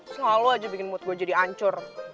sengalu aja bikin mood gua jadi ancur